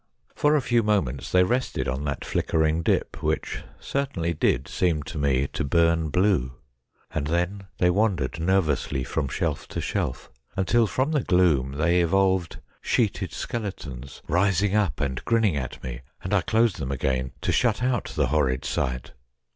For a few moments they rested on that flickering dip, which certainly did seem to me to burn blue, and then they wandered nervously from shelf to shelf, until from the gloom they evolved sheeted skeletons rising up and grinning at me, and I closed them again to shut out the horrid sight.